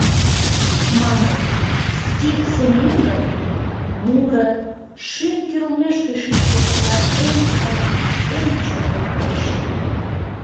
Маньым: стих сеҥен гын, муро, шӱм кӱрлмешке шӱшпыкынла эн сай, эн чолга муреш!